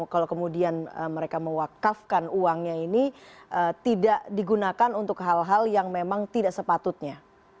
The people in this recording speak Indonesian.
kalau kemudian mereka mewakafkan uangnya ini tidak digunakan untuk hal hal yang memang tidak sepatutnya